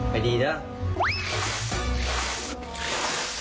ไปดีด้วย